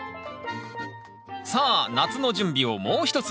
さあ夏の準備をもう一つ！